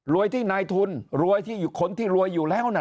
ที่นายทุนรวยที่คนที่รวยอยู่แล้วน่ะ